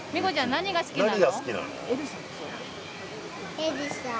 何が好きなの？